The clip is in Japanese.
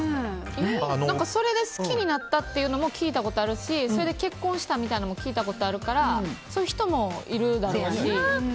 それで好きになったっていうのも聞いたことあるしそれで結婚したみたいなのも聞いたことあるからそういう人もいるだろうし。